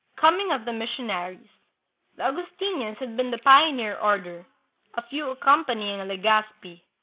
Coming of the Missionaries. The Augustinians had been the pioneer order, a few accompanying Legazpi.